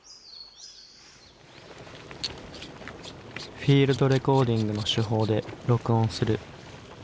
フィールドレコーディングの手法で録音する。